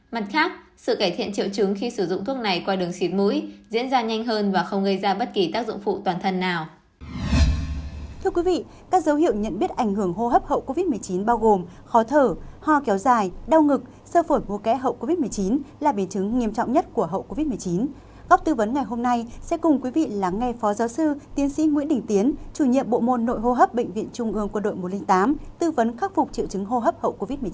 mặt khác sự cải thiện triệu chứng khi sử dụng thuốc này qua đường xuyến mũi diễn ra nhanh hơn và không gây ra bất kỳ tác dụng phụ toàn thân nào